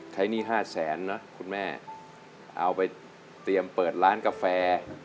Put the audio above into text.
ใช้หนี้๕แสนนะคุณแม่เอาไปเปิดร้านกาแฟ